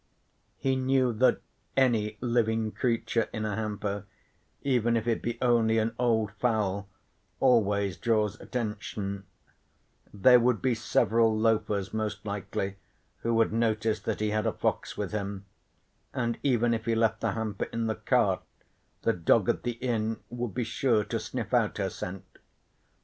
He knew that any living creature in a hamper, even if it be only an old fowl, always draws attention; there would be several loafers most likely who would notice that he had a fox with him, and even if he left the hamper in the cart the dogs at the inn would be sure to sniff out her scent.